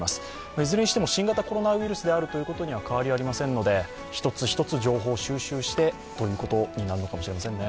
いずれにしても新型コロナウイルスであることは変わりありませんので、一つ一つ情報を収集してということになるのかもしれませんね。